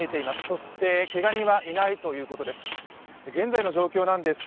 そしてけが人はいないということです。